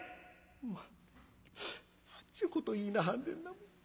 「まあ何ちゅうこと言いなはんねんなもう。